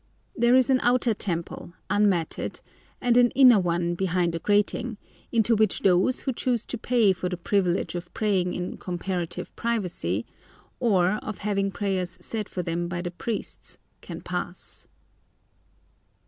There is an outer temple, unmatted, and an inner one behind a grating, into which those who choose to pay for the privilege of praying in comparative privacy, or of having prayers said for them by the priests, can pass.